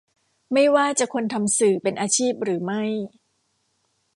ไม่ว่าจะคนทำสื่อเป็นอาชีพหรือไม่